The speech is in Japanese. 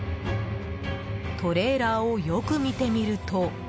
トレーラーをよく見てみると。